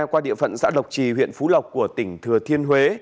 qua địa phận xã lộc trì huyện phú lộc của tỉnh thừa thiên huế